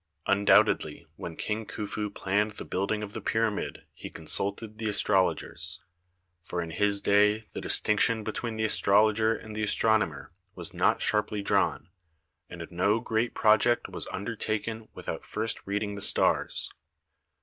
Undoubtedly when King Khufu planned the building of the pyramid he consulted the astrologers, for in his day the distinction between the astrologer and the astron omer was not sharply drawn, and no great project was undertaken without first reading the stars.